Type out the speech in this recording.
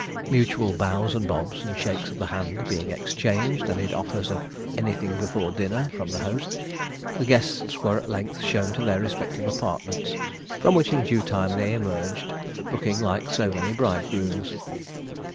Mutual bows and bobs and shakes of the hand being exchanged, amid offers of 'anything before dinner' from the host, the guests were at length shown to their respective apartments, from which in due time they emerged, looking like so many bridegrooms.